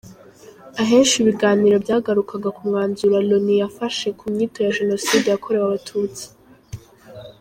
Ahenshi ibiganiro byagarukaga ku mwanzuro Loni yafashe ku nyito ya Jenoside yakorewe Abatutsi.